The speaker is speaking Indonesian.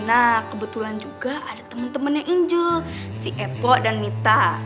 nah kebetulan juga ada teman temannya angel si epo dan mita